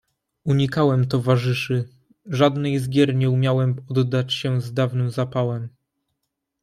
"Unikałem towarzyszy, żadnej z gier nie umiałem oddać się z dawnym zapałem."